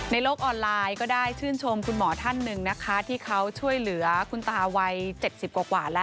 โลกออนไลน์ก็ได้ชื่นชมคุณหมอท่านหนึ่งนะคะที่เขาช่วยเหลือคุณตาวัย๗๐กว่าแล้ว